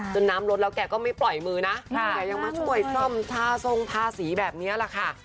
น้ำลดแล้วแกก็ไม่ปล่อยมือนะแกยังมาช่วยซ่อมทาทรงทาสีแบบนี้แหละค่ะ